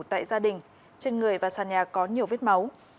tại gia đình trên người và sàn nhà có nhiều vết máu